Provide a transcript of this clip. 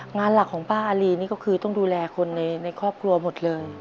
งานหลักของป้าอารีนี่ก็คือต้องดูแลคนในครอบครัวหมดเลย